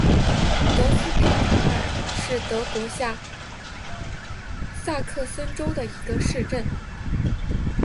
德斯佩塔尔是德国下萨克森州的一个市镇。